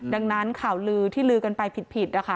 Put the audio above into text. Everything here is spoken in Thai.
ดังนั้นข่าวลือที่ลือกันไปผิดนะคะ